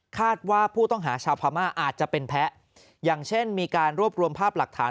คาดว่าผู้ต้องหาชาวพม่าอาจจะเป็นแพ้อย่างเช่นมีการรวบรวมภาพหลักฐาน